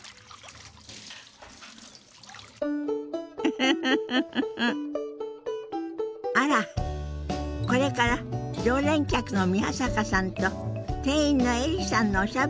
フフフフフあらこれから常連客の宮坂さんと店員のエリさんのおしゃべりが始まりそうね。